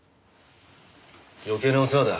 余計なお世話だ。